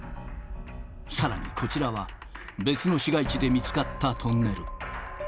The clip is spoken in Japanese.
さらにこちらは、別の市街地で見つかったトンネル。